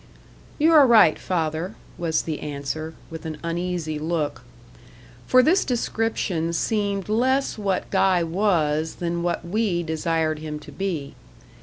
"You are right, father," was the answer, with an uneasy look. For this description seemed less what Guy was than what we desired him to be.